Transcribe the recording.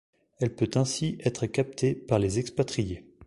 Elle peut ainsi être captée par les expatriés.